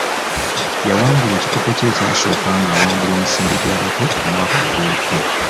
Yawangula ekikopo kye kyasooka nga awangula emisinde gy'abato omwaka oguwedde.